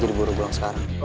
jadi buru buruang sekarang